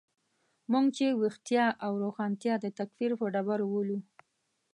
موږ چې ویښتیا او روښانتیا د تکفیر په ډبرو ولو.